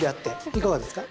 いかがですか？